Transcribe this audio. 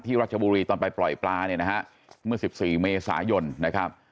รัชบุรีตอนไปปล่อยปลาเนี่ยนะฮะเมื่อ๑๔เมษายนนะครับ